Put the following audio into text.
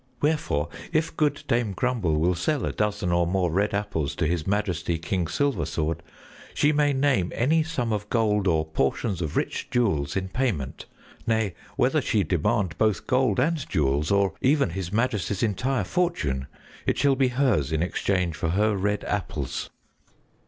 Wherefore, if good Dame Grumble will sell a dozen or more red apples to His Majesty, King Silversword, she may name any sum of gold or portions of rich jewels in payment; nay, whether she demand both gold and jewels, or even His Majesty's entire fortune, it shall be hers in exchange for her red apples."